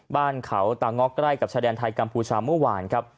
บ้านเข๋วต่างอกใกล้กับชะแดนไทยกำพูชาเมื่อวาน